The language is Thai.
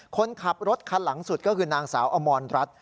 คนขับรถคันหลังสุดก็คือนางสาวอมรรัฐ